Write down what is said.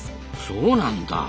そうなんだ。